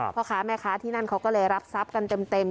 พ่อค้าแม่ค้าที่นั่นเขาก็เลยรับทรัพย์กันเต็ม